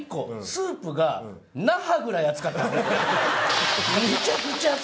スープが那覇ぐらい熱かった本当。